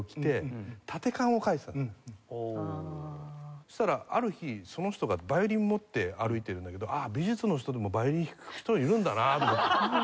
そしたらある日その人がヴァイオリンを持って歩いてるんだけど「ああ美術の人でもヴァイオリン弾く人いるんだな」。